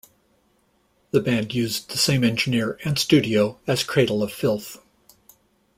The band used the same engineer and studio as Cradle of Filth.